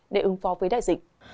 để ứng phó với đại dịch